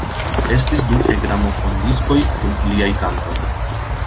Estis du E-gramofondiskoj kun liaj kantoj.